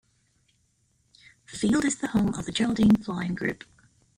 The field is the home of the Geraldine Flying Group.